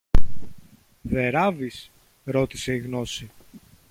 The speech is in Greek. Δε ράβεις; ρώτησε η Γνώση.